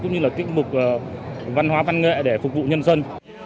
cũng như là tiết mục văn hóa văn nghệ để phục vụ nhân dân